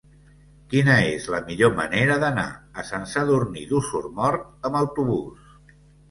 Quina és la millor manera d'anar a Sant Sadurní d'Osormort amb autobús?